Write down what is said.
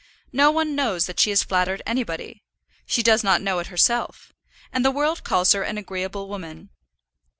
No one knows that she has flattered anybody; she does not know it herself; and the world calls her an agreeable woman.